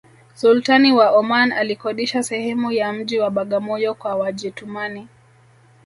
sultani wa oman alikodisha sehemu ya mji wa bagamoyo kwa wajetumani